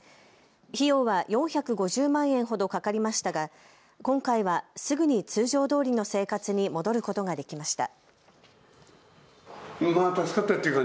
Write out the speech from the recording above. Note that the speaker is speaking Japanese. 費用は４５０万円ほどかかりましたが、今回はすぐに通常どおりの生活に戻ることができました。